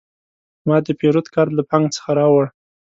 ما د پیرود کارت له بانک څخه راوړی.